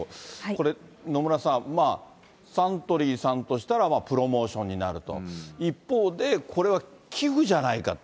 これ、野村さん、サントリーさんとしたら、プロモーションになると、一方でこれは寄付じゃないか。